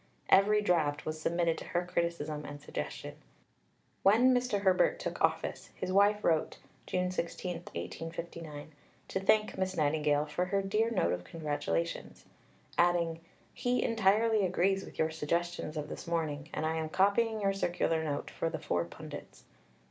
Every draft was submitted to her criticism and suggestion. When Mr. Herbert took office, his wife wrote (June 16, 1859) to thank Miss Nightingale for her "dear note of congratulations," adding, "He entirely agrees with your suggestions of this morning, and I am copying your Circular Note for the four pundits."